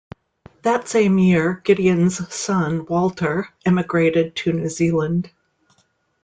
That same year, Gideon's son Walter emigrated to New Zealand.